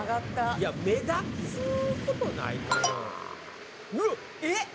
いや目立つことないかな？